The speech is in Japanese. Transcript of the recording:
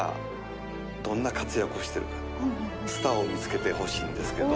スターを見つけてほしいんですけども。